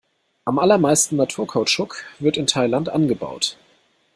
Am allermeisten Naturkautschuk wird in Thailand angebaut.